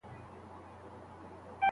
لابراتواري وینه باید د بدن سره مطابقت ولري.